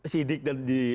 sidik dan di